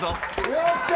よっしゃ。